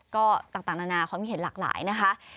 ก็ต่างนานาความคิดเห็นหลากหลายนะคะ